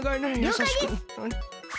りょうかいです！